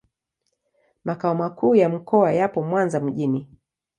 Makao makuu ya mkoa yapo Mwanza mjini.